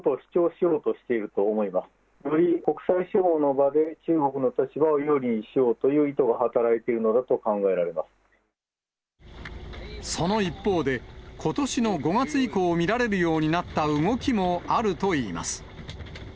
より国際司法の場で中国の立場を有利にしようという意図が働いてその一方で、ことしの５月以降見られるようになった動きもあるといいます。